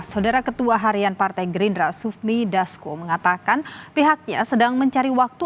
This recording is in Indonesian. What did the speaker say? saudara ketua harian partai gerindra sufmi dasko mengatakan pihaknya sedang mencari waktu